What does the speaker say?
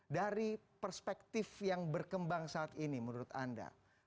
dari perspektif yang berkembang saat ini menurut anda